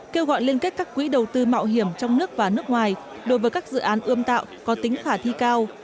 kêu gọi liên kết các quỹ đầu tư mạo hiểm trong nước và nước ngoài đối với các dự án ươm tạo có tính khả thi cao